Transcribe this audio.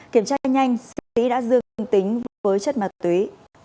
kiểm tra nhanh sĩ đã dương tính với chất ma túy